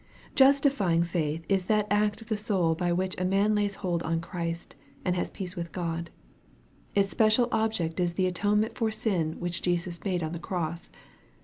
Justifying faith is that act of the soul by which a man lays hold on Christ, and has peace with God. Its special object is the atonement for sin which Jesus made on the cross.